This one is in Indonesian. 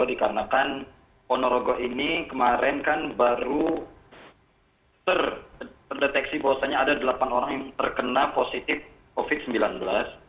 dikarenakan ponorogo ini kemarin kan baru terdeteksi bahwasannya ada delapan orang yang terkena positif covid sembilan belas